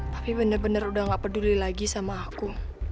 tapi bener bener udah gak peduli lagi sama aku